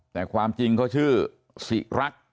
แต่ความจริงเขาชื่อสิรักษ์